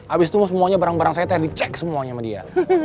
abis itu semuanya barang barang saya terdicek semuanya sama dia